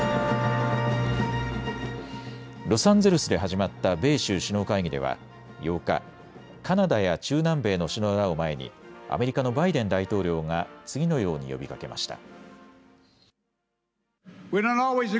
ロサンゼルスで始まった米州首脳会議では８日、カナダや中南米の首脳らを前にアメリカのバイデン大統領が次のように呼びかけました。